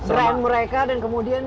brand mereka dan kemudian